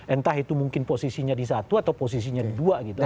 entah itu mungkin posisinya di satu atau posisinya di dua gitu